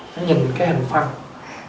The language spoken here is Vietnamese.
nó nhìn cái hình phân